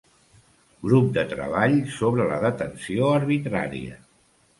Grup de Treball sobre la Detenció Arbitrària.